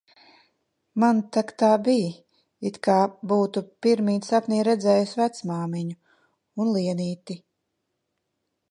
Man tak tā bij, it kā būtu pirmīt sapnī redzējis vecmāmiņu un Lienīti